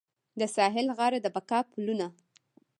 د ساحل غاړه د بقا پلونه